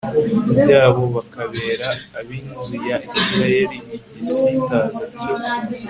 byabo bakabera ab inzu ya Isirayeli igisitaza cyo